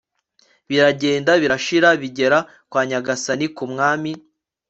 biragenda birashyira bigera kwa nyagasani, ku mwami